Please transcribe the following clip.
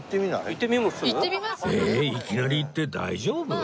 えーっいきなり行って大丈夫？